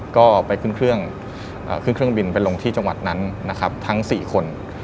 ก็ไปขึ้นเครื่องบินไปลงที่จังหวัดนั้นทั้ง๔คน